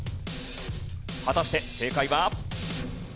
果たして正解は。